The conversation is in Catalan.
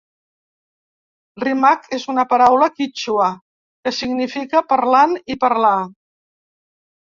Rimaq és una paraula quítxua, que significa "parlant" i "parlar".